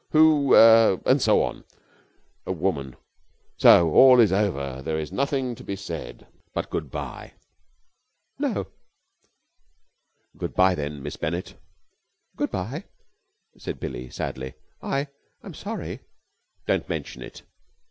who er and so on? A woman ... So all is over! There is nothing to be said but good bye?" "No." "Good bye, then, Miss Bennett!" "Good bye," said Billie sadly. "I I'm sorry." "Don't mention it!"